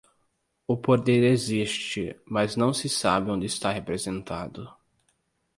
O poder existe, mas não se sabe onde está representado.